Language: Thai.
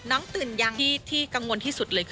ตื่นยังที่กังวลที่สุดเลย